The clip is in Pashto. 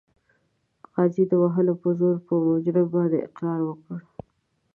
قاضي د وهلو په زور په مجرم باندې اقرار وکړ.